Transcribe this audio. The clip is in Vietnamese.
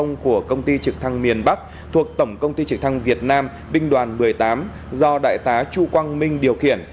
vn tám nghìn sáu trăm năm mươi của công ty trực thăng miền bắc thuộc tổng công ty trực thăng việt nam vinh đoàn một mươi tám do đại tá chu quang minh điều khiển